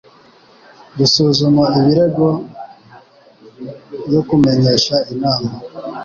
gusuzuma ibirego yo kumenyesha inama